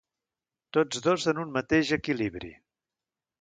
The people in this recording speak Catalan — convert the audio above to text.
Tots dos en un mateix equilibri.